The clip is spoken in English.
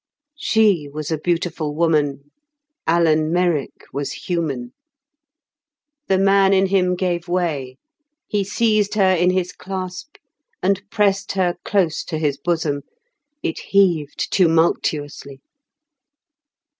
She was a beautiful woman. Alan Merrick was human. The man in him gave way; he seized her in his clasp, and pressed her close to his bosom. It heaved tumultuously.